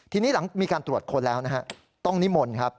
ทีนี้หลังมีการตรวจคนแล้วต้องนิ้มมล